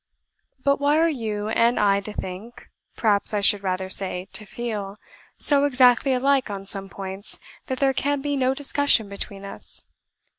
But why are you and I to think (perhaps I should rather say to FEEL) so exactly alike on some points that there can be no discussion between us?